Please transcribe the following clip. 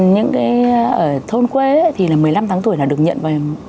những cái ở thôn quê thì là một mươi năm tháng tuổi là được nhận về